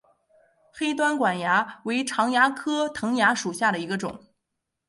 黑端管蚜为常蚜科藤蚜属下的一个种。